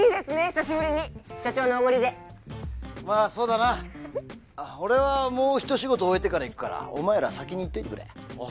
久しぶりに所長のおごりでまあそうだな俺はもうひと仕事終えてから行くからお前ら先に行っといてくれああ